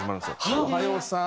「おはようさーん！